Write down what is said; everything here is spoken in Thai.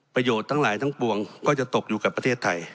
ทั้งหลายทั้งปวงก็จะตกอยู่กับประเทศไทย